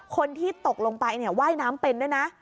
คนที่ตกลงไปว่ายน้ำเป็นด้วยนะ